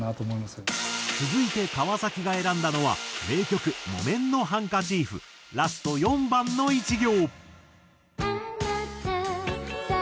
続いて川崎が選んだのは名曲『木綿のハンカチーフ』ラスト４番の一行。